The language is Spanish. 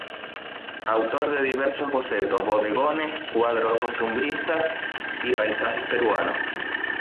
Autor de diversos bocetos, bodegones, cuadros costumbristas y paisajes peruanos.